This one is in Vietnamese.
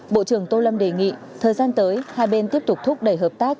bộ trưởng tô lâm đề nghị thời gian tới hai bên tiếp tục thúc đẩy hợp tác